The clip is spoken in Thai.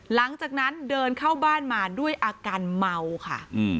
หลังจากนั้นเดินเข้าบ้านมาด้วยอาการเมาค่ะ